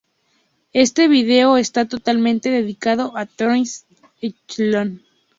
Este vídeo está totalmente dedicado a ""The Echelon"".